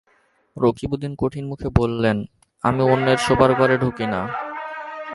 রকিবউদ্দিন কঠিন মুখে বললেন, আমি অন্যের শোবার ঘরে ঢুকি না।